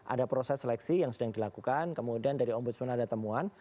ada proses seleksi yang sedang dilakukan kemudian dari ombudsman ada temuan